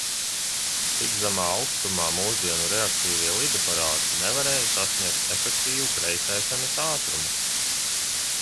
Tik zemā augstumā mūsdienu reaktīvie lidaparāti nevarēja sasniegt efektīvu kreisēšanas ātrumu.